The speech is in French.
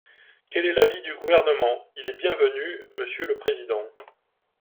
Quel est l’avis du Gouvernement ? Il est bienvenu, monsieur le président.